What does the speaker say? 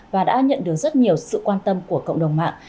và đã nhận được rất nhiều sự quan tâm của cộng đồng mạng